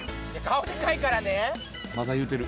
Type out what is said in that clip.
また言うてる。